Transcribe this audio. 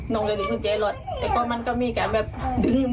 น้องอดีตมีเจรสแต่ก็มันก็มีแก่แบบ